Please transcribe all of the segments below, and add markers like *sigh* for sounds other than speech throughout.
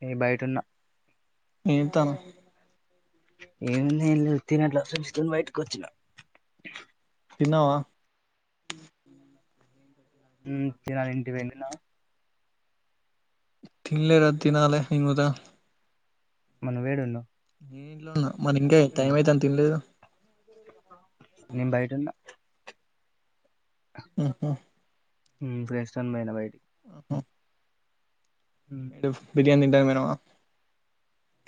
నేను బయట ఉన్న ఏ తను ఏ నే తినట్లుసని బయటకు వచ్చినా తిన్నావా ఊ తినాలి ఇంటికి పోయి నువ్వు తిన్నావా *unintelligible* మల్ల నువ్వు యాడున్నావ్ నేను ఇంట్లో ఉన్న మరి ఇంకేం టైం అయితాంది తినలేదు నేను బయట ఉన్న ఆహా ఫ్రెండ్స్ తోని పోయిన బయటిక్ మ్మ్ ఎందుక్ బిర్యానీ తింటానికి పోయినవా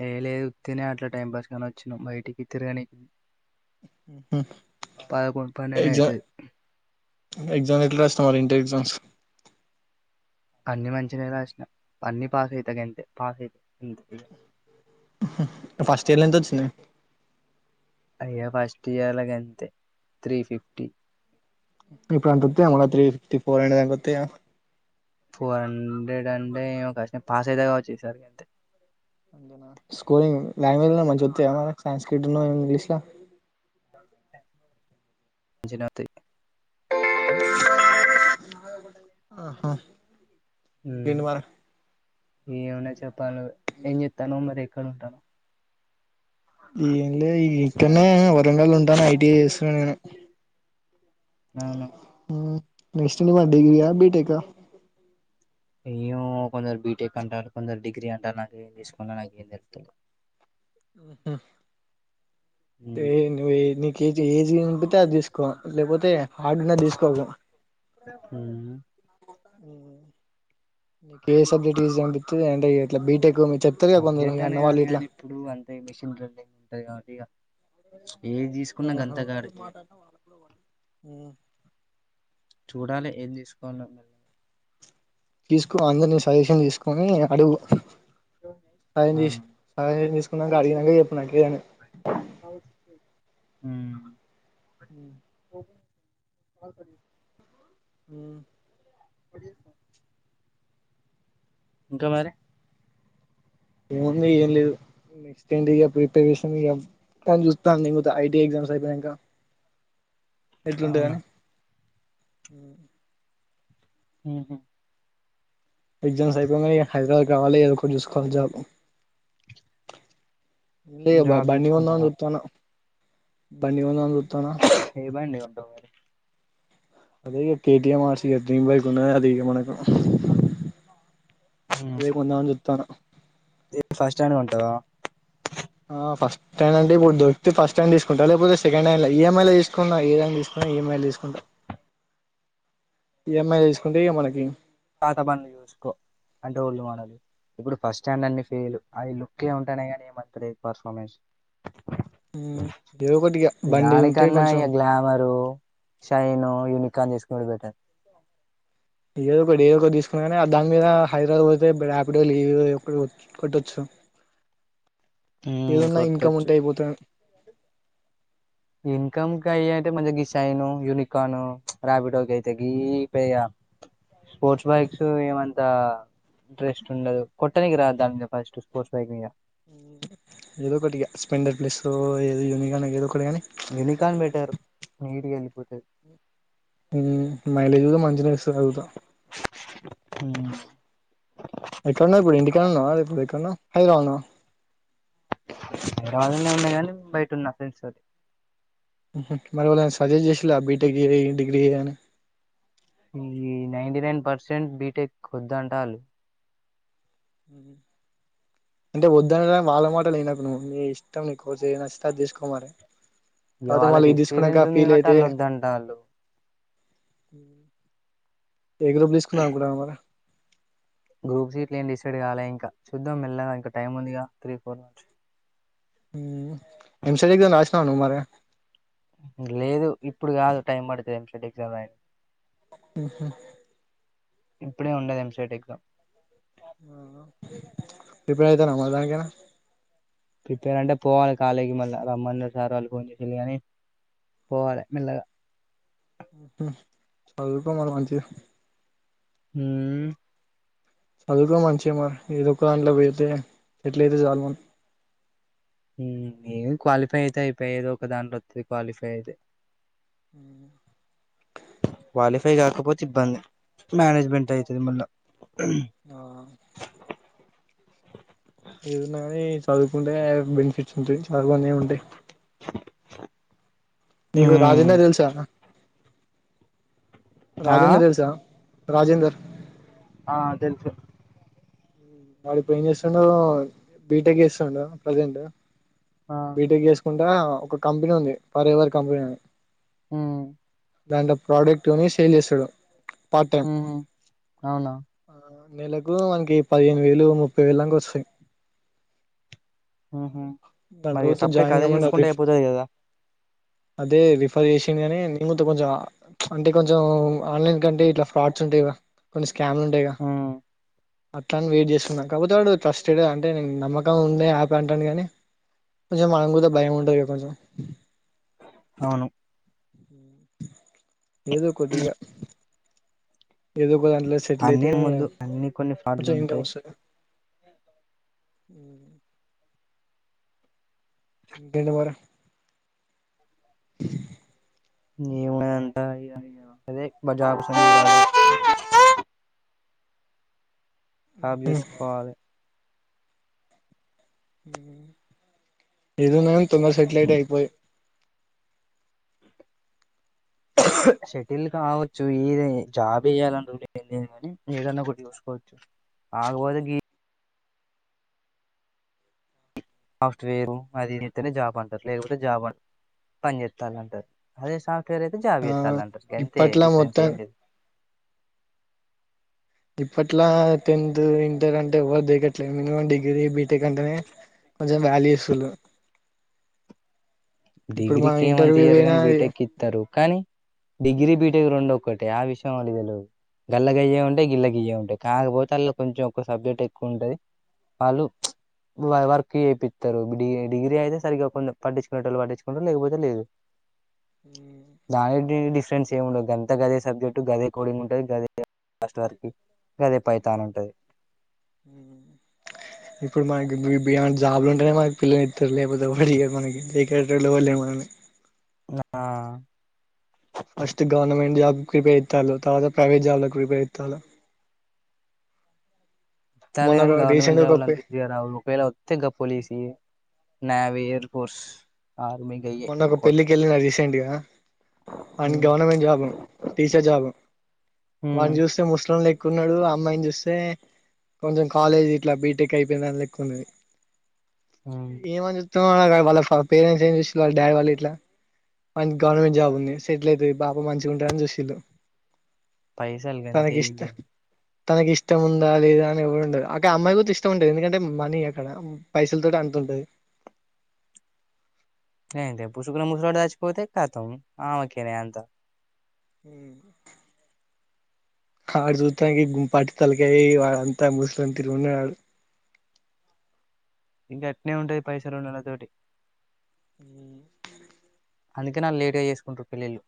ఏ లేదు తినే అట్లా టైం పాస్ కని వచ్చినం బయటికి తిరగనీ పన్నెండు ఎగ్జామ్ అయితది ఎగ్జామ్ ఎట్లా రాసినవ్ మరి ఇంటర్ ఎగ్జామ్స్ అన్ని మంచిగనే రాసిన అన్ని పాస్ అయితా గంతే పాస్ అయి ఫస్ట్ ఇయర్లెంత ఒచ్చినయి అయ్యా ఫస్ట్ ఇయర్ల గంతే త్రీ ఫిఫ్టీ ఇప్పుడంత వస్తాయా మళ్ళ త్రీ ఫిఫ్టీ ఫోర్ అండ కొత్తయా ఫోర్ హండ్రెడ్ అంటే ఏమో కష్టం పాస్ అయితా కావచ్చు ఈ సారి గంతే స్కోరింగ్ లాంగ్వేజ్ల అయిన మంచిగోస్తయా సాంస్క్రీట్ ఉన్నదేమో ఇంగ్లీష్ల జనాతి ఆహా మ్ ఇంకేంటి మరి ఇమన్నా చెప్పాల్ నువ్ ఏం చేత్తానవ్ మరి కంత ఏంలే ఇక్కనే వరంగల్ల ఉంటాన్న ఐటిఐ చేస్తున్న నేను అవును నెక్స్ట్ ఏంటి మరి డిగ్రీయా బీటెకా ఏమో కొందరు బీటెక్ అంటారు కొందరు డిగ్రీ అంటారు నాకేం తీసుకోవాలో నాకేం తెలుత్తలేదు హ్ అంటే ను నీకు ఏది ఏద్ చేయాలనిపిస్తే అద్ తీసుకో లేకపోతే హార్డున్నది తీసుకోకు నీకే సబ్జెక్ట్ ఈసీ అన్పితదో అంటే ఇట్ల బిటెక్ చెప్తరు కదా కొందరు సబ్జెక్ట్ అని అన్నవాళ్ళు కాదు ఇట్లా కానీ ఇప్పుడు అ ఆహా చూడాలె ఏం తీసుకోవాల్నో తీస్కో అందరినీ సజెషన్ తీస్కొని అడుగు సజెషన్ ఆ సజెషన్ తీసుకున్నాక అడిగినంక చెప్పు నాకు ఏమి అని ఉమ్ హ్ మ్ పడి ఇంకా మరి ఏముంది ఏం లేదు నెక్స్ట్ ఏంటి ఇగ ప్రిపరేషన్ ఇగ చూస్తా ఐటీ ఎగ్జామ్స్ అయిపోనంక అవునా ఎట్లుందని ఆ హ హ ఎగ్జామ్స్ అయిపోయినాక ఇగ హైదరాబాద్ రాలేదు చూసుకోవాలి జాబ్ ఏంది జాబ్ బండి కొందాం అని చూసుకుంటావా చూస్తున్న బండి కొందాం అని చూస్తున్న ఏ బండి కొంటావ్ మరి అదే కేటిఎం ఆర్సి డ్రీమ్ బైకు ఉన్నాది కదా ఇక మనక ఉమ్ అదే కొందాం అని చూస్తన్న ఏది ఫస్ట్ హ్యాండ్ కొంటావా ఆ ఫస్ట్ హ్యాండ్ అంటే ఇప్పుడు దొరికితే ఫస్ట్ హ్యాండ్ తీసుకుంటా లేకపోతే సెకండ్ హ్యాం లో ఈఎంఐ లో తీసుకున్నా ఏ హం తీసుకున్నా ఈఎంఐలు తీసుకుాంట ఈఎమ్ఐ తీసుకుంటే మనకి పాత బండ్లు చూసుకో అంటే ఒల్డు మాడల్ ఇప్పుడు ఫస్ట్ స్టాండ్ అన్ని ఫెయిలు అవి లుక్కే ఉంటానేయి కాగానీ ఏమంతలేదు పర్ఫార్మెన్స్ ఏదో ఒకటి ఇగ ఈ బండి ఉంటే దానికన్నా కొంచెం ఇ గ్లామరు షైను యూనికాన్ చేసుకు చాలా బెటర్ ఏద ఒకటి ఏదో ఒకటి తీసుకున్నా కాని అ దాని మీద హైదరాబాద్ పోతె ఇప్పుడళ కొట్టొచ్చు ఉమ్ ఏదన్నా ఇన్కమ్ కొట్టొచ్చు ఉంటే అయిపోత ఇన్కమ్కి అయ అంటే మంచి గి సైన్ యూనికాార్న్ రార్పిిడోకి అయితే గ ప స్పోర్ట్స్ బైక్స్ ఏమంతా ఇంట్రెస్ట్ ఉండదు కొట్టడానికి రాద్దా ఫస్ట్ స్పోర్ట్స్ బైక్ మీద ఏదో ఒకటిగా స్పలెండర్ ప్లేస్ ఏదో యూనికాన్ ఏదో ఒకటి గాని యూనికార్న్ బెటర్ మీడి ఒకట్టే మైలేజ్ కూడా మంచిగా ఇస్తుంది అనుకుంటా ఉ ఎక్కడున్నావ్ ఇప్పుడు ఇంటికడా ఉన్నావ లేక పోతే ఎక్కడ ఉన్నావ్ హైదరాబాద్ లోనా *unintelligible* ఉన్నా కానీ బయట ఉన్నా ఫ్రెండ్స్ తోటి మరి ఎవరైన సజెస్ట చేసారా బీటెక్ ఏది డిగ్రీన అని ఈ నైన్టీ నైన్ పర్సెంట్ బీటెక్ వద్దంటాల్లు మ్ అంటే వద్దని వాళ్ళ మ అస్సలు ఇనాక్ నువ్వు నీ ఇష్టం నీ కోర్స్ ఏది నచ్చితే అది తీసుకోమరె ఇ వాళ్ళకి ఎక్స్పీరియన్స్ ఉంది కాబట్టి వాళ్ళు వద్దంటాళ్ళు హుమ్ ఏ గ్రూప్ తీసుకుందాం అనుకున్నావు మరి గ్రూప్స గిట్ల ఏం డిసైడ్ కాలే ఇంకా చూద్దాం మెల్లగా ఇం టైమ్ ఉందిగా త్రీ ఫోర్ హూ లేదు ఇప్పుడు కాదు టైమ్ పడుతుంది ఎంసెట్ ఎగ్జామ్ రాయనిక్ హ్ హ్ ఇప్పుడే ఉండదు ఎంసెట్ ఎగ్జామ్ హా హా ప్రిపేర్ అయితన్నవ మరి దానికేమన్నా ప్రిపేర్ అంటే పోవాలి కాలేజీ కి మళ్ళా రమ్మన్నారు. సార్ వాళ్ళు ఫోన్ చేసి వెళ్ళి గని పోవాలె మెల్లగా చదువుకో మల్ల మంచిగా హూ చదువుకో మంచిగా ఏదో ఒక దాంట్లో పోయితే సేట్లయితే చాలు మనం ఉ ఏమి క్వాలిఫై అయితే అయిపయే ఏదో ఒక దాంట్ల వోస్తది క్వాలిఫై అయితే క్వాలిఫై కాకపోతే ఇబ్బంది మేనేజ్మెంట్ అయి తది మళ్ళ ఆ ఏదున్నా కానీ చదువుకుంటే బెనిఫిట్స్ ఉంటాయి. చదువన్నే ఉంటయి నీకు ఉమ్ రాజేందర్ తెల్సా ఆ రాజేందర్ తెలుసా రాజేందర్ ఆ తెలుసు వాడు ఇప్పుడు ఏం చేస్తుండు బీటెక్ చేస్తుండు ప్రజెంట్ ఆ బీ టె క్ చేసుకుంటా ఆ ఒక కంపెనీ ఉంది ఫర్ ఎవర్ కంపెనీ అని హు దాంట్లో ప్రోడక్ట్ని సేల్ చేస్తాడు హ్ హ్ అవునా ఆ నెలకు వనీకి పదిహేను వేలు ముప్పై వేల దంక వోస్తాయి హ్ హు మరి సప్పుడేకా అదే కామన్నారు చూసుకుంటే అయిపోతది కదా అదే రిఫర్ చేసింది. కానీ నేను గుత కొంచెం ఆ అంటే కొంచెం ఆన్లైన్ కంటే ఇట్లా ఫ్రాడ్స్ ఉంటాయి గా. కోన్ని స్కామ్లు ఉంటాయి. గా ఉమ్ అట్లా అని వెయిట్ చేస్తున్నా కాకపోతే వాడు ట్రస్టెడ్ అంటే నేను నమ్మకం ఉండే ఆ యాప్ అటండు గాని కొంచెం మనకు గుడా భయం ఉంటది కొంచెం అవును ఏదో కొద్దిగా ఏదో ఒక దాంట్లో సెటిల్ అయితే, అన్ని ముందు అన్ని కొన్ని ఫ్రాడ్లు కొంచెం ఇన్కమ్ ఉంటాయి వస్తాది గా ఇంకేంటి మరి ఎమున్నది అంతా ఇగ ఇగ అదే జాబ్స్ *unintelligible* జాబ్ చుసుకోవాలి ఉమ్ ఏదున్నాగాని తొందగా సెట్లెతె అయిపో ఏ సెటిల్ కావచ్చు ఏది జాబ్ చేయ్యాలానిరూల్ ఏం లేదు కానీ ఏదన్నా ఒకటి చూసుకోవచ్చు కాకపోతే గీ సాఫ్ట్వేరు, అదినే ఇది జాబ్ అంటారు లేకపోతే జాబ్ అ పని చేేస్తాల అంటారు అదే సాఫ్ట్ సాఫ్ట్వేర్ అయితే జాబ్ ఆ చేస్తాలంటారు గంతే ఇప్పట్లా డిఫరెన్స్ మొత్తం ఏం లేదు ఇప్పట్లా టెన్త్ ఇంటర్ అంటే ఎవరు దేకట్లేదు మినిమం డిగ్రీ డిగ్రీ, బీటెక్ అంటేనే కొంచెం వాల్యూ ఇస్తుంరూ డిగ్రీకి ఏ మంత ఇయరు కాని బీటెక్ ఇస్తారు కానీ డిగ్రీ బీటెక్ రెండు ఒకటి ఆ విషయం వాళ్ళు తెలిదు గల్ల గయే ఉంటాే గిల్ల గయ్యే ఉంటాయి కాకపోతే అళ్ళ కొంచెం ఒ సబ్జెక్ట్ ఎక్కువ ఉంటది వాళ్ళు వర్క్ చేయిస్తారు డి డిగ్రీ అయితే సరిగ్గా కొ పట్టించుకునే వాళ్ళు పట్టి తెచ్చుకుంట లేకపోతే లేదు ద డి *unintelligible* డిఫరెన్స్ ఏం ఉండదు, అంత గదే సబ్జెక్ట్ గదే కోడింగ్ ఉంటుందిదేస్ట్ వర్క్ గదే పైతాన్ ఉంటుంది ఇప్పుడు మనకి మీ బియాండ్ జాబ్లు ఉంటేనే మ పిల్లను ఇస్తారు లేకపోతే వా మనకి దేకేది ఎవరు లేరు ఆ ఫస్ట్ గవర్మెంట్ జాబ్ ప్రిపేర్ అవుతారు తరువాత ప్రైవేట్ జాబ్ లకి ప్రేఫరెన్ ఇస్తారు తల ఇస్తారు గాని గవర్నమెంట్ జాబులు అంత ఈజీగా రావు ఒకవేళ వస్తే గ పోలీసి నావి, ఎయిర్ ఫోర్స్ ఆర్మీ గయ్యే మొన్న ఒక కొట్ పెళ్ళికి వెళ్ళిన రీసెంట్ గా వాడికి గవర్నమెంట్ జాబ్ ఉంది టీచర్ జాబ్ ఉంది వాడ్ని చూస్తే ముసలోడు లె లే క్కున్నాడు అమ్మాయిని చూస్తే కొంచెం కాలేజ్ ఇట్లా బీటెక్ అయిపోయిందని లేక్క ఉన్నది. ఏమన్నాచెప్పు వాళ్ళ పేరంట్స్ ఏంచేసి వాళ్ళ డాడీ వాళ్ళ ఇట్లా. వానికి గవర్నమెంట్ జాబ్ ఉంది సెటిల్ అవుతుంది పాప మంచిగా ఉంటారుని చూసిళు పైసలు గంతే తనకి ఏం ఇష్ట లేదు తనకి ఇష్టం ఉందా లేదా అని ఎవరు ఉండారు అక్కడ అమ్మాయి కూడా ఇష్టం ఉంటంది ఎందుకంటే మనీ అక్కడ పైసలు తోటి అంత ఉంటాది. గంతే పుసుకు ముసలోడు సాచిపోతే కత్తం కఆమె కే నాయీ అంత. ఆడు చూతానికి బట్ట తలకాయి వాడ అంతా ముసలోడు తిరు ఉన్నాడు వాడు గట్నే ఉంటది పైసలు ఉన్న వాళ్ళ తోటి. ఉమ్ అందుకే నన్ను లేట్ గా చేసుకుంటరూ పెళ్ళిళ్ళు.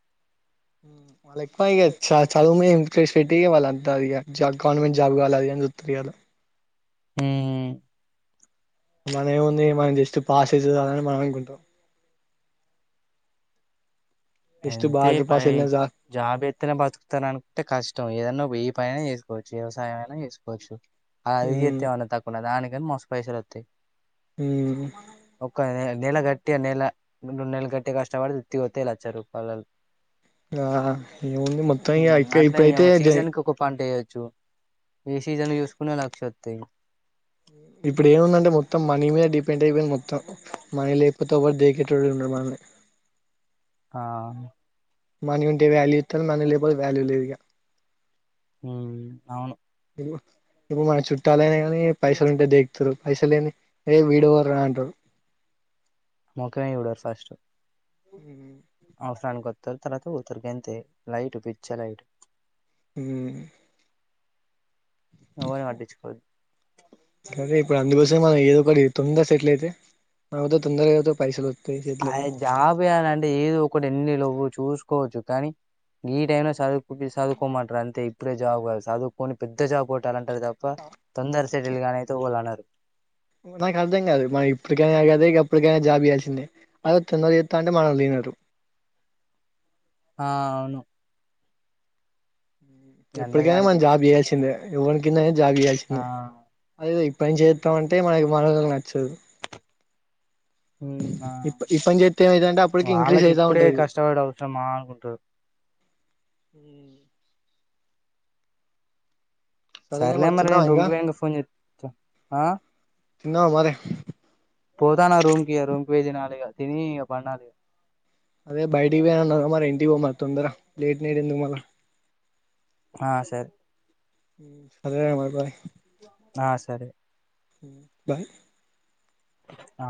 వాళ్ళు ఎక్కువ ఇగ చ చదువు మీద ఇన్ ట్రేష్ట్ వాళ్ళంత ఇగ గవర్నమెంట్ జాబ్ కావాలి. ఇ య్యారు హమ్ మన ఏం ఉంది. పాస్ అయితే చాలు అని మనం ఇంకా అనుకుంటాం. జస్ట్ అంతే బార్డర్ పై పాస్ వెళ్ళిన చాలు జాబ్ ఎత్తన బతుకుతను అనుకుంటే కష్టం ఏదన్నా ఒక్క ఎమ్. పైన చేసుకోవచ్చు వ్యవసాయం అయినా చేసుకోవచ్చు. అది మ్మ్ చేసిన తక్కువన దానికి. ఏ మస్ పైసలు వస్తాయి. మ్మ్ ఒక్కనే. నెల గట్టి నెల రెండు నెల గట్టిగా కష్టపడితే ఉత్తిగా వస్తాయి లక్షలు. *unintelligible* ఆ ఏముంది మొత్తం ఇప్పుయితే జై. చు. ఏ సీజన్ చూసుకున్న లక్ష వస్తాయి. తి ఇప్పుడు ఏం ఉందంటే మొత్తం మనీ మీద డిపెండ్ అయి మొత్తం. మనలే. *unintelligible* దేకొటొడు ఉండడు మనల్ని ఆ మని ఉంటేనే వాల్యూ ఇస్తారు మని. వాల్యూ లేదుగా. ఉమ్, అవును ఇప్పుడు మన చుట్టాలనా కానీ పైసలు ఉంటే దికుతారు పైస లేని ఏ వీడవరు అంటారు. మొఖమే చూడరు ఫస్ట్. హ. అవసరానికి వస్తారు తర్వాత పోతారు అంతే లైట్ పిచ్చి లైట్ మ్మ్ ఎవరిని పట్టించుకోవద్దు సరే ఇప్పుడు అందుకోసామే మన ఏదో తొందర సెటిల్ అయితే తొందరగా పైసలు వస్తాయి ఆయ చేతులకు జాబ చేయల అంటే ఏదో ఒకటి ఎన్నిలో చూసుకోవచ్చు కానీ ఈ టై లో చదువు చదువుకోమంటారు అంతే ఇప్పుడే జాబ్ కాదు చదువుకొని పెద్ద జాబ్ కొట్టాలే అంటారు తప్ప తొందర సెటిల్ గా అయితే ఓలనరు నాకు అర్ధం కాదు మన ఇప్పటికైనా కద ఇక అప్పటికైనా జాబ్ చేయాల్సిందే అదే తొందరా చెత్త అంటే మనోళ్ళు తినారు ఆ అవును ఎప్పటికైనా మనం గంతగాడికే జాబ్ చేయాల్సిందే ఎవరికి జాబ్ ఆ చేయాల్సిందే అదేదో పని చేత్తామంటే మనకి మనలు నచ్చదు ఉ ఆ ఈ ఈ పని చేస్తే ఏమైతుందంటే అప్పటికి ఇంక్రీజ్ వాళ్ళకి అయితా ఇప్పుడే ఉంటది కష్టపడుడు అవసరమా అనుకుంటరు సరేలే సర్లే మరి తిన్నావా నేను రూమ్ కి పోయినంక ఫోన్ చే ఆ తీన్నవ మరీ పోతనా రూమ్ కీ ఇగ రూమ్ కీ పోయి తినాలి ఇగ తిని పండాలి. అదే బైటికి పోయి అన్నార మరి ఇంటికి పొమ్మను తొందరా లేట్ నైట్ ఎందుకు మళ్ళా ఆ సరే ఉ సరే రా మరి బాయ్ ఆ సరే ఉ బాయ్ ఆ